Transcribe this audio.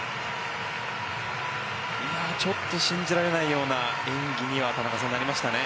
ちょっと信じられないような演技に田中さん、なりましたね。